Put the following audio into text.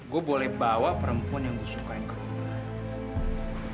gua boleh bawa perempuan yang gua suka yang ke rumah